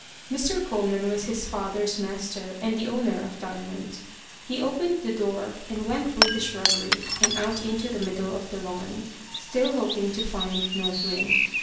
Mr. Coleman was his father's master, and the owner of Diamond. He opened the door, and went through the shrubbery, and out into the middle of the lawn, still hoping to find North Wind.